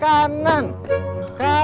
kalau ngadepin preman